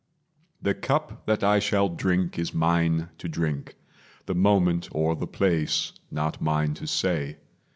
The cup that I shall drink Is mine to drink the moment or the place Not mine to say.